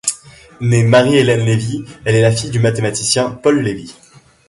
Née Marie-Hélène Lévy, elle est la fille du mathématicien Paul Lévy.